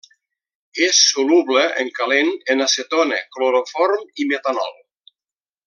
És soluble en calent en acetona, cloroform i metanol.